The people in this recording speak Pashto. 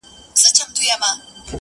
o زړه یوسې او پټ یې په دسمال کي کړې بدل.